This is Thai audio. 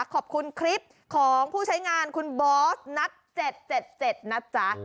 ขอบคุณคลิปของผู้ใช้งานคุณบอสนัด๗๗นะจ๊ะ